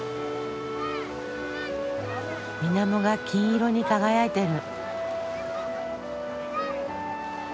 水面が金色に輝いてる。